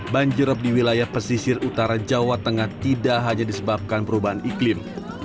banjirop di wilayah pesisir utara jawa tengah tidak hanya disebabkan perubahan iklim